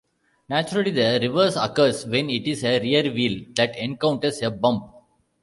Naturally the reverse occurs when it is a rear wheel that encounters a bump.